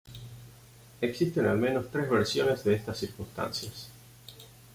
Existen al menos tres versiones de estas circunstancias.